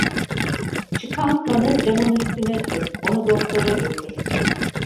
Çıkan kanı camın üstüne sür, onu doktora götür…